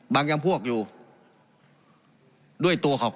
การปรับปรุงทางพื้นฐานสนามบิน